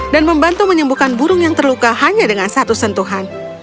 dan membantu menyembuhkan burung yang terluka hanya dengan satu sentuhan